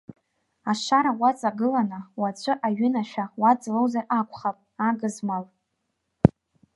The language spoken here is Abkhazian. Ашара уаҵагыланы, уаҵәы аҩынашәа уаҵалозар акәхап, агызмал!